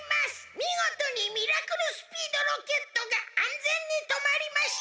みごとにミラクルスピードロケットがあんぜんにとまりました！